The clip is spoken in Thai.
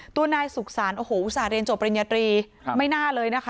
ตัวนายสุขศาลโอ้โหอุตส่าหเรียนจบปริญญาตรีไม่น่าเลยนะคะ